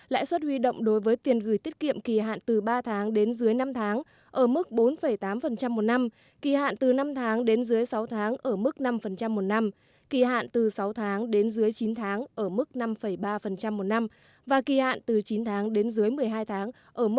lãi suất huy động đối với tiền gửi tiết kiệm kỳ hạn từ ba tháng đến dưới năm tháng ở mức bốn tám một năm kỳ hạn từ năm tháng đến dưới sáu tháng ở mức năm một năm kỳ hạn từ sáu tháng đến dưới chín tháng ở mức năm ba một năm và kỳ hạn từ chín tháng đến dưới một mươi hai tháng